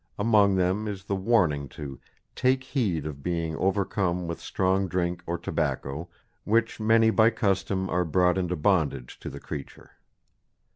Among them is the warning to "take heed of being overcome with strong drink or tobacco, which many by custome are brought into bondag to the creature."